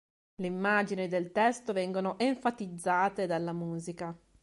Le immagini del testo vengono enfatizzate dalla musica.